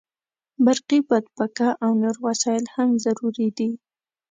برقي بادپکه او نور وسایل هم ضروري دي.